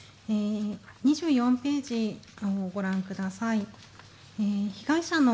２４ページをご覧ください。